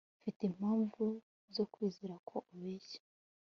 mfite impamvu zo kwizera ko ubeshya